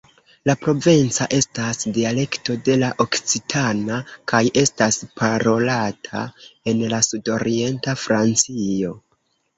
La provenca estas dialekto de la okcitana, kaj estas parolata en la sudorienta Francio.